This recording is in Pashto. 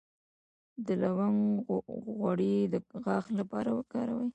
د لونګ غوړي د غاښ لپاره وکاروئ